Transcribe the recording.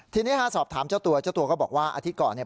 ทีนี้ฮะสอบถามเจ้าตัวเจ้าตัวก็บอกว่าอาทิตย์ก่อนเนี่ย